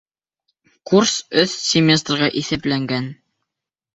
Курс өс семестрға иҫәпләнгән.